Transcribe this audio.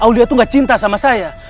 aulia itu gak cinta sama saya